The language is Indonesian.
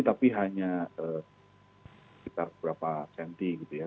tapi hanya sekitar beberapa senti gitu ya